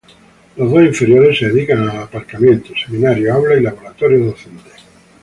Los dos inferiores se dedican al aparcamiento, seminarios, aulas y laboratorios docentes.